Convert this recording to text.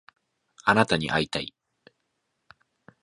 あなたに会いたい